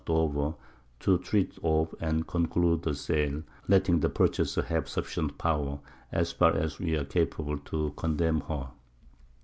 Dover, _to treat of and conclude the Sale, letting the Purchaser have sufficient Power (as far as we are capable) to condemn her.